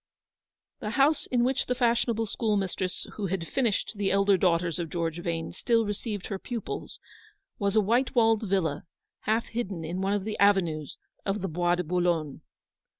? The house in which the fashionable school mistress who had "finished" the elder daughters of George Vane still received her pupils, was a white walled, villa, half hidden in one of the avenues of the Bois de Boulogne.